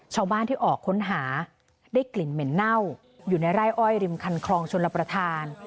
ชาวบ้านที่ออกค้นหาได้กลิ่นเหม็นเน่าอยู่ในไร่อ้อยริมคันคลองชนรับประทาน